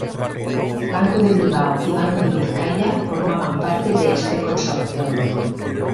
Banco de Bilbao y Banco de Vizcaya formaban parte de este consorcio.